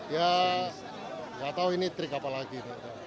ya gak tau ini trik apa lagi